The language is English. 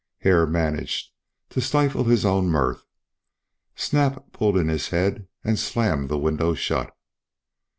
Hare managed to stifle his own mirth. Snap pulled in his head and slammed the window shut.